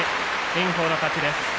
炎鵬の勝ちです。